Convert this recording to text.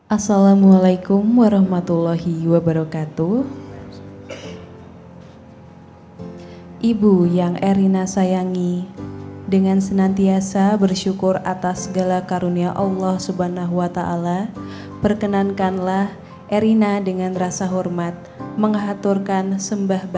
assalamualaikum warahmatullahi wabarakatuh